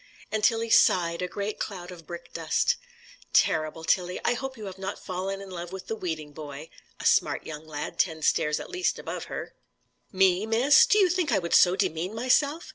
And Tilly sighed a great cloud of brick dust. "Terrible, Tilly: I hope you have not fallen in love with the weeding boy!" a smart young lad, ten stairs at least above her. "Me, miss? Do you think I would so demean myself?"